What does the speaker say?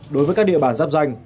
đối với các địa bản giáp danh